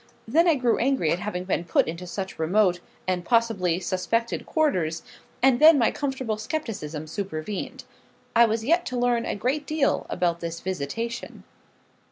Then I grew angry at having been put into such remote, and, possibly, suspected quarters, and then my comfortable scepticism supervened. I was yet to learn a great deal about this visitation.